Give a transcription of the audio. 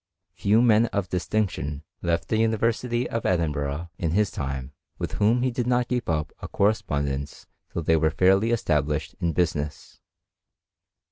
Few men of distinction left the University of Edinburgh, in his time, with whom he did not keep up a correspondence till they were fairly established in business.